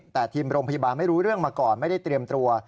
แต่ทีมโรงพยาบาลไม่รู้เรื่องมาก่อนไม่ได้เตรียมตัว